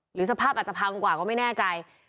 สภาพอาจจะพังกว่าก็ไม่แน่ใจ